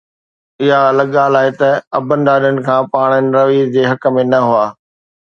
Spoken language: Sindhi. اها الڳ ڳالهه آهي ته ابن ڏاڏن پاڻ ان رويي جي حق ۾ نه هئا.